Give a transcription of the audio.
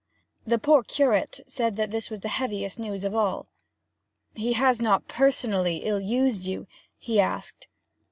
The poor curate said that this was the heaviest news of all. 'He has not personally ill used you?' he asked.